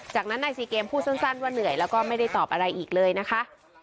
จากนั้นนายซีเกมพูดสั้นว่าเหนื่อยแล้วก็ไม่ได้ตอบอะไรอีกเลยนะคะ